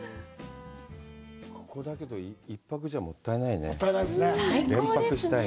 ここ１泊じゃもったいないね。